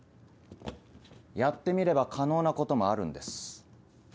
やってみれば可能なこともあるんです。